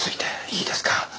いいですか？